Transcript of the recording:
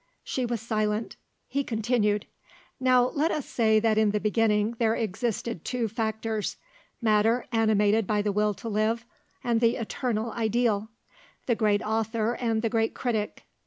She was silent. He continued: "Now let us say that in the beginning there existed two factors, matter animated by the will to live, and the eternal ideal; the great author and the great critic.